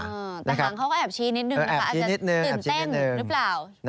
แต่หลังเขาก็แอบชี้นิดนึงนะคะอาจจะตื่นเต้นหรือเปล่า